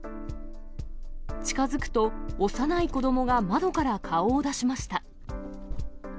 近づくと幼い子どもが窓から顔を出しました。